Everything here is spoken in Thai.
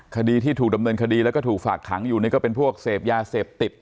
คดีที่ถูกดำเนินคดีแล้วก็ถูกฝากขังอยู่นี่ก็เป็นพวกเสพยาเสพติด